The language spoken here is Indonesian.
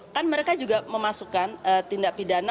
kan mereka juga memasukkan tindak pidana